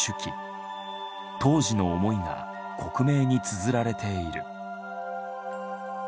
当時の思いが克明に綴られている。